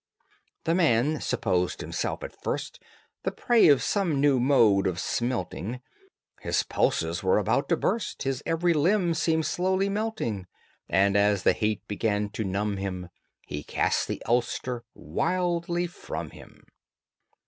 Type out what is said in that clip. The man supposed himself at first The prey of some new mode of smelting: His pulses were about to burst, His every limb seemed slowly melting, And, as the heat began to numb him, He cast the ulster wildly from him.